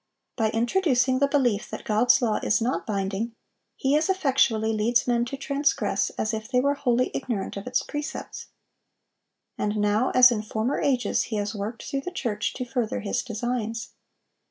By introducing the belief that God's law is not binding, he as effectually leads men to transgress as if they were wholly ignorant of its precepts. And now, as in former ages, he has worked through the church to further his designs.